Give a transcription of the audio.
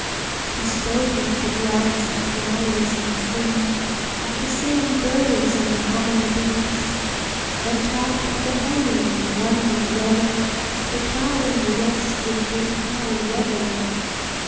He spoke of the grass and flowers and trees, Of the singing birds and the humming bees; Then talked of the haying, and wondered whether The cloud in the west would bring foul weather.